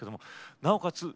なおかつ